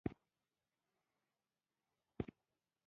پر دېوال رسم شوې رسامۍ بدې نه وې.